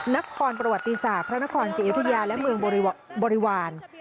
นครประวัติศาสตร์พระนครศรีอยุธยาและเมืองบริวาร